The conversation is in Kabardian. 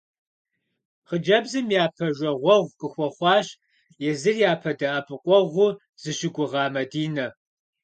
Хъыджэбзым япэ жагъуэгъу къыхуэхъуащ езыр япэ дэӏэпыкъуэгъуу зыщыгугъа Мадинэ.